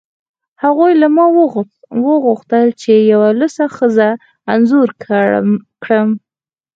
هغوی له ما وغوښتل چې یوه لوڅه ښځه انځور کړم